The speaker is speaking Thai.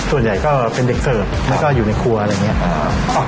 ส่วนใหญ่ก็เป็นเด็กเสิร์ฟแล้วก็อยู่ในครัวอะไรอย่างนี้